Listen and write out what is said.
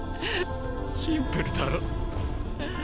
シンプルだろ？